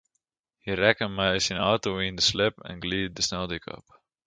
Hy rekke mei syn auto yn in slip en glied de sneldyk op.